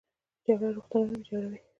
جګړه روغتونونه ویجاړوي